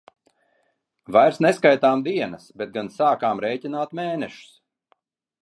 Vairs neskaitām dienas, bet gan sākām rēķināt mēnešus.